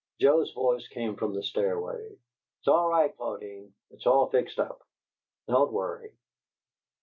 Joe's voice came from the stairway. "It's all right, Claudine. It's all fixed up. Don't worry."